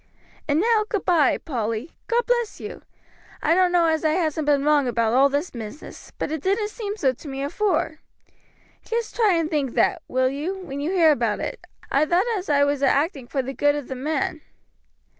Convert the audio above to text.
And now, goodby, Polly. God bless you! I don't know as I hasn't been wrong about all this business, but it didn't seem so to me afore. Just try and think that, will you, when you hear about it. I thought as I was a acting for the good of the men."